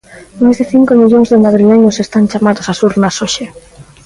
Máis de cinco millóns de madrileños están chamados as urnas hoxe.